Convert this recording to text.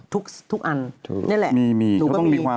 ทุกอันนี่แหละ